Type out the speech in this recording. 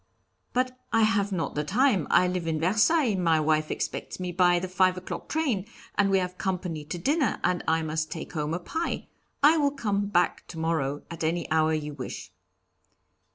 'But I have not the time; I live in Versailles; my wife expects me by the five o'clock train, and we have company to dinner, and I must take home a pie. I will come back to morrow at any hour you wish.'